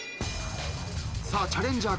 さあチャレンジャー